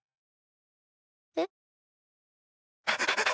えっ？